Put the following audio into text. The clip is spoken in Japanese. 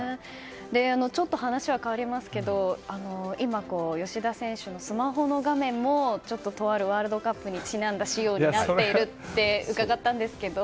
ちょっと話は変わりますけど今、吉田選手のスマホの画面もちょっとあるワールドカップにちなんだ仕様になっていると伺ったんですけど。